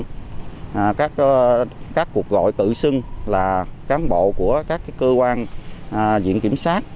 đối với các đối tượng làm quen qua mạng các cuộc gọi tự xưng là cán bộ của các cơ quan diện kiểm sát